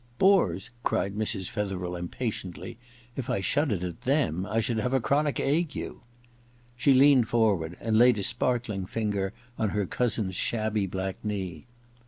* Bores !' cried Mrs. Fetherel impatiently. ^ If I shuddered at themy I should have a chronic ague !' She leaned forward and laid a sparkling finger on her cousin's shabby black knee.